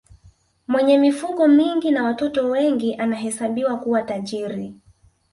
mwenye mifugo mingi na watoto wengi anahesabiwa kuwa tajiri